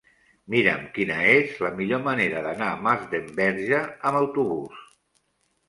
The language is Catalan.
Mira'm quina és la millor manera d'anar a Masdenverge amb autobús.